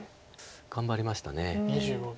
頑張りました。